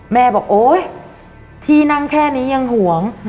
แม่บอกโอ๊ยที่นั่งแค่นี้ยังห่วง